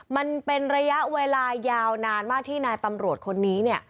มันเป็นระยะเวลายาวนานมากที่นายตำรวจคนนี้เนี่ย